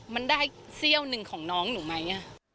มันได้เสี้ยวหนึ่งของน้องหนูไหม